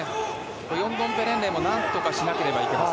ヨンドンペレンレイも何とかしなければいけません。